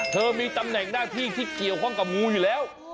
เธอมีตำแหน่งหน้าที่ที่เกี่ยวข้องกับงูอยู่แล้ว